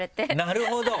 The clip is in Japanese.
なるほど！